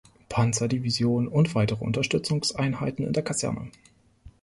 Panzerdivision und weitere Unterstützungseinheiten in der Kaserne.